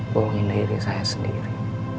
bawangin diri saya sendiri